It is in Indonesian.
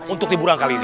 untuk tiburan kali ini